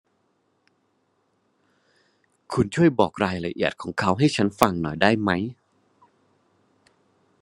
คุณช่วยบอกรายละเอียดของเขาให้ฉันฟังหน่อยได้ไหม ?